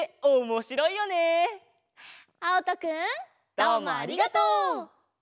どうもありがとう！